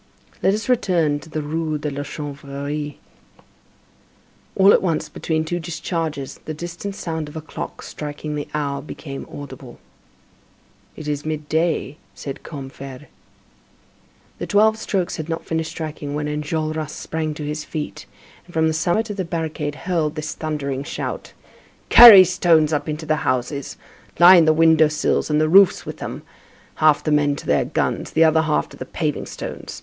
Let us return to the Rue de la Chanvrerie. All at once, between two discharges, the distant sound of a clock striking the hour became audible. "It is midday," said Combeferre. The twelve strokes had not finished striking when Enjolras sprang to his feet, and from the summit of the barricade hurled this thundering shout: "Carry stones up into the houses; line the windowsills and the roofs with them. Half the men to their guns, the other half to the paving stones.